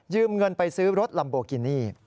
เงินไปซื้อรถลัมโบกินี่